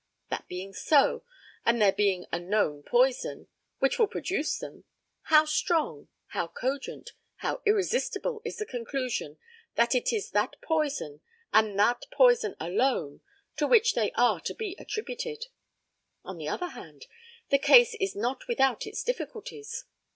That being so, and there being a known poison, which will produce them, how strong, how cogent, how irresistible is the conclusion that it is that poison, and that poison alone, to which they are to be attributed. On the other hand, the case is not without its difficulties.